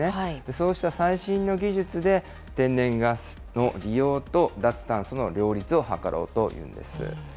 そうした最新の技術で天然ガスの利用と脱炭素の両立を図ろうというんです。